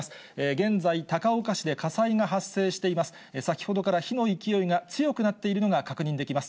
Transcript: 現在、高岡市で火災が発生しています。